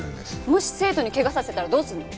もし生徒に怪我させたらどうするの？